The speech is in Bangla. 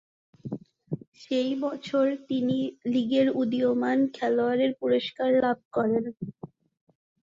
সেই বছর তিনি লিগের উদীয়মান খেলোয়াড়ের পুরস্কার লাভ করেন।